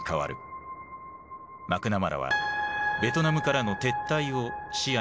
マクナマラはベトナムからの撤退を視野に入れ始めていた。